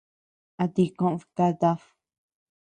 ¿A tii koʼöd katad?